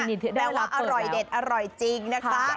แปลว่าอร่อยเด็ดอร่อยจริงนะคะ